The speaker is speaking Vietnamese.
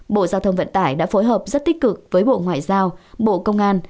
bộ giao thông vận tải đã phối hợp rất tích cực với bộ ngoại giao bộ công an